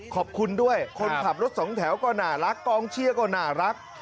ขอบคุณด้วยคนขับรถสองแถวก็น่ารักกองเชียร์ก็น่ารัก